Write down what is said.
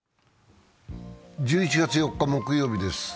１１月４日木曜日です。